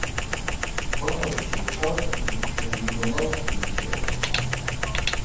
ფოთოლი შეიცავს მთრიმლავ ნივთიერებებს.